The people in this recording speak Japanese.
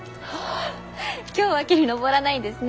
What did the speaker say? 今日は木に登らないんですね。